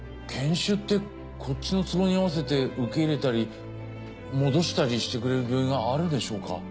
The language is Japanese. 研修ってこっちの都合に合わせて受け入れたり戻したりしてくれる病院があるでしょうか？